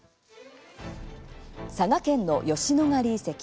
佐賀県の吉野ヶ里遺跡。